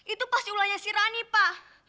itu pasti ulangnya si rani pak